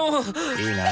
いいな。